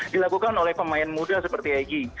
dilakukan oleh pemain muda seperti egy